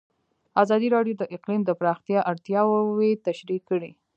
ازادي راډیو د اقلیم د پراختیا اړتیاوې تشریح کړي.